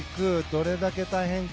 どれだけ大変か。